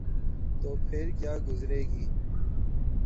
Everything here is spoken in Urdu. تو پھرکیا گزرے گی؟